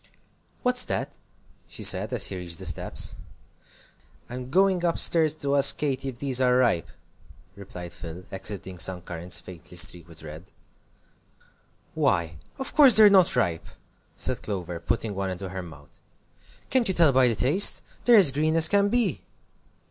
"What's that?" she said, as he reached the steps. "I'm going up stairs to ask Katy if these are ripe," replied Phil, exhibiting some currants faintly streaked with red. "Why, of course they're not ripe!" said Clover, putting one into her mouth. "Can't you tell by the taste? They're as green as can be."